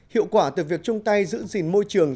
hiệu quả từ việc chung tay giữ gìn môi trường